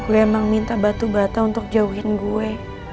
gue emang minta batu bata untuk jauhin gue